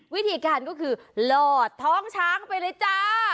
วิธีการก็คือหลอดท้องช้างไปเลยจ้า